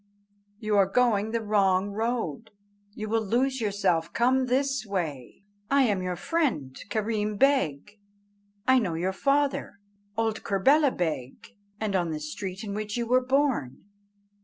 you are going the wrong road, you will lose yourself; come this way. I am your friend Kerreem Beg; I know your father, old Kerbela Beg, and the street in which you were born."